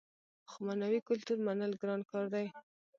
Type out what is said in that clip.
خو معنوي کلتور منل ګران کار دی.